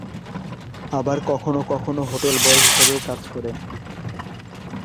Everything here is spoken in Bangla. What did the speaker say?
আবার কখনো কখনো হোটেল বয় হিসেবেও কাজ করেন।